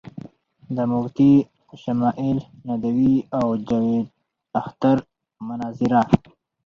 مفتی شمائل ندوي او جاوید اختر مناظره